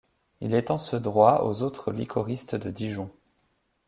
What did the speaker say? Il étend ce droit aux autres liquoristes de Dijon.